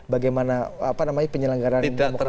bagaimana penyelenggaran demokrasi